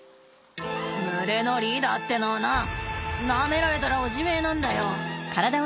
「群れのリーダーってのはなあなめられたらおしめなんだよ！